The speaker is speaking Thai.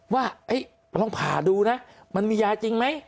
ว่าเอ๊ต้องพาดูนะมันมียาจริงไหม